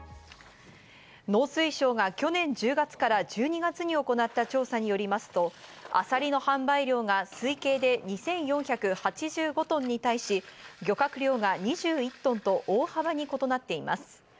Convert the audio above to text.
農水省が去年１０月から１２月に行った調査によりますと、あさりの販売量が推計で２４８５トンに対し、漁獲量が２１トンと大幅に異なっています。